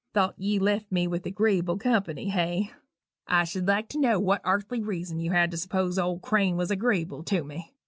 Thought ye left me with agreeable company, hey? I should like to know what arthly reason you had to s'pose old Crane was agreeable to me?